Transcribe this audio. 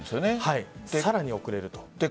さらに遅れると。